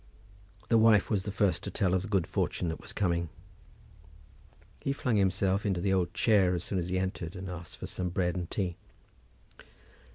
The wife was the first to tell him of the good fortune that was coming. He flung himself into the old chair as soon as he entered, and asked for some bread and tea.